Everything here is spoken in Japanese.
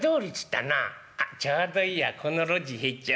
あっちょうどいいやこの路地入っちゃおっと。